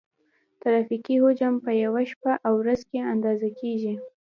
ترافیکي حجم په یوه شپه او ورځ کې اندازه کیږي